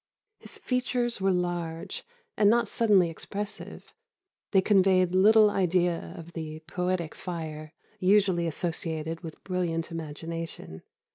] "His features were large, and not suddenly expressive; they conveyed little idea of the 'poetic fire' usually associated with brilliant imagination.